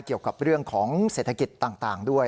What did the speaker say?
เกี่ยวกับเรื่องของเศรษฐกิจต่างด้วย